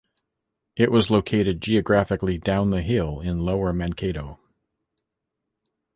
It was located geographically down the hill in lower Mankato.